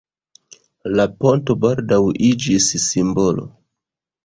La ponto baldaŭ iĝis simbolo.